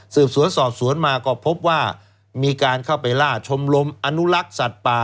สืบสวนสอบสวนมาก็พบว่ามีการเข้าไปล่าชมรมอนุลักษ์สัตว์ป่า